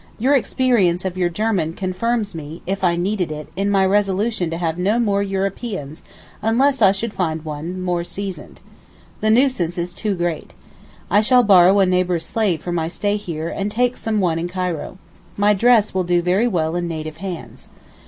Your experience of your German confirms me (if I needed it) in my resolution to have no more Europeans unless I should find one 'seasoned.' The nuisance is too great. I shall borrow a neighbour's slave for my stay here and take some one in Cairo. My dress will do very well in native hands.